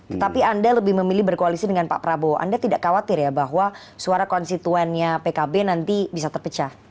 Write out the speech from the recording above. tetapi anda lebih memilih berkoalisi dengan pak prabowo anda tidak khawatir ya bahwa suara konstituennya pkb nanti bisa terpecah